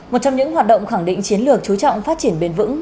một trong những hoạt động khẳng định chiến lược chú trọng phát triển bền vững